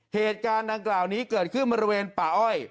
เหตุการณ์ดังกล่าวนี้เกิดขึ้นบริเวณป่าอ้อย